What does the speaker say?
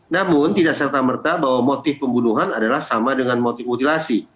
namun tidak serta merta bahwa motif pembunuhan adalah sama dengan motif mutilasi